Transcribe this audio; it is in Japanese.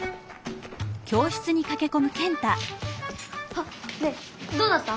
あっねえどうだった？